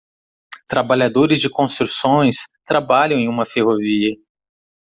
Trabalhadores de construções trabalham em uma ferrovia.